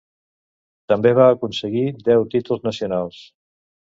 També va aconseguir deu títols nacionals.